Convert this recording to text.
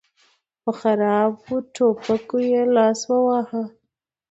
په خرابو ټوپکو يې لاس وواهه.